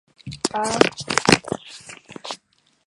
小黑毛肩长蝽为长蝽科毛肩长蝽属下的一个种。